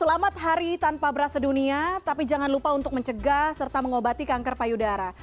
selamat hari tanpa beras sedunia tapi jangan lupa untuk mencegah serta mengobati kanker payudara